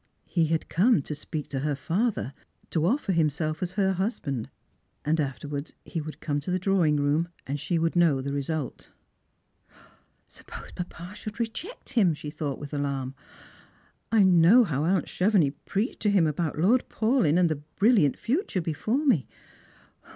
He had come to speak to her father, to offer him self as her husband; and afterwards he would come to the drawing room, and she would know the result. " Suppose papa should reject him," she thought, with alarm. I know how aunt Chevenix preached to him about Lord 162 Slrangera and Pilgrimo. Paulyn, and the brilliant future before me.